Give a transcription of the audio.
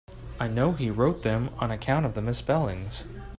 I know he wrote them on account of the misspellings.